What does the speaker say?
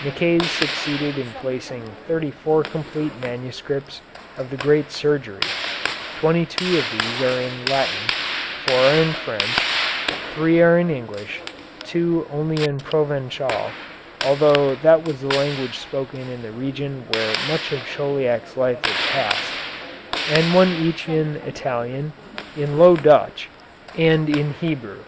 Nicaise succeeded in placing 34 complete manuscripts of the "Great Surgery": 22 of these are in Latin, 4 are in French, 3 are in English, 2 only in Provençal, though that was the language spoken in the region where much of Chauliac's life was passed, and one each in Italian, in Low Dutch, and in Hebrew.